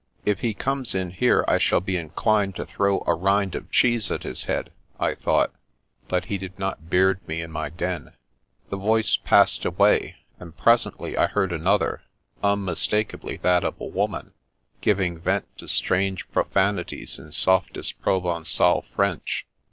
" If he comes in here, I shall be inclined to throw a rind of cheese at his head," I thought ; but he did not beard me in my den. The voice passed away, and presently I heard another, unmistakably that of a woman, giving vent to strange profanities in soft est Provenqal French.